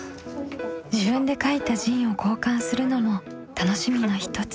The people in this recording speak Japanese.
自分で書いた「ＺＩＮＥ」を交換するのも楽しみの一つ。